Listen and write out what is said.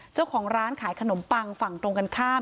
เจ้าของร้านขายขนมปังฝั่งตรงกันข้าม